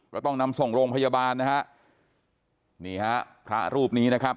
ก็ต้องนำส่งโรงพยาบาลนะฮะนี่ฮะพระรูปนี้นะครับ